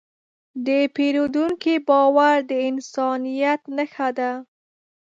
د پیرودونکي باور د انسانیت نښه ده.